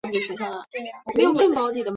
水龙的升级棋。